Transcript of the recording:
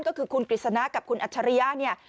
ก็คือคุณกฤษณะกับคุณอัชริยะ